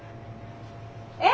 え？